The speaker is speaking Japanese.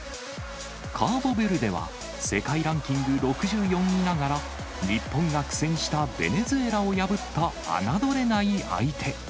カーボベルデは、世界ランキング６４位ながら、日本が苦戦したベネズエラを破った侮れない相手。